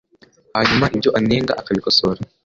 hanyuma ibyo anenga akabikosora